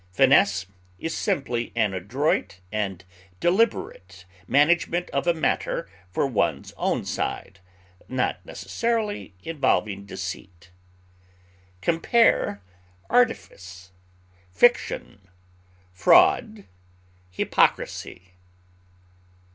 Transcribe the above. Finesse is simply an adroit and delicate management of a matter for one's own side, not necessarily involving deceit. Compare ARTIFICE; FICTION; FRAUD; HYPOCRISY.